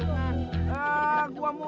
jangan jangan ini ada hantunya mu